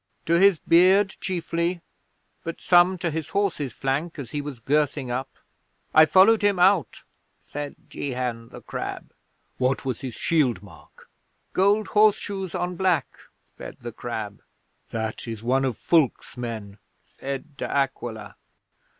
'"To his beard, chiefly, but some to his horse's flank as he was girthing up. I followed him out," said Jehan the Crab. '"What was his shield mark?" '"Gold horseshoes on black," said the Crab. '"That is one of Fulke's men," said De Aquila.'